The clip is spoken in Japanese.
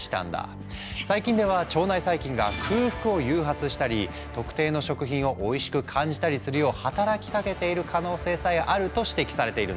最近では腸内細菌が空腹を誘発したり特定の食品をおいしく感じたりするよう働きかけている可能性さえあると指摘されているんだ。